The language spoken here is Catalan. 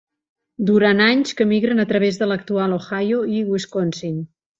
Durant anys que migren a través de l'actual Ohio i Wisconsin.